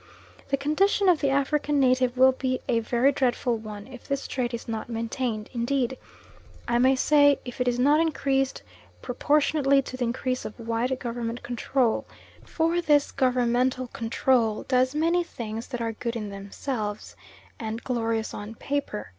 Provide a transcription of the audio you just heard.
The condition of the African native will be a very dreadful one if this trade is not maintained; indeed, I may say if it is not increased proportionately to the increase of white Government control for this governmental control does many things that are good in themselves, and glorious on paper.